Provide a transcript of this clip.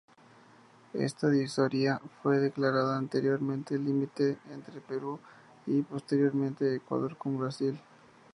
Esta divisoria fue declarada anteriormente límite entre el Perú y, posteriormente, Ecuador con Brasil.